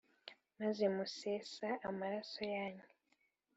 Maze musesa amaraso yanyu